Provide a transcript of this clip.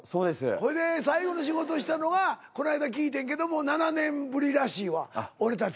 ほいで最後に仕事したのはこないだ聞いてんけども７年ぶりらしいわ俺たち。